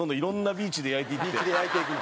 ビーチで焼いていくの？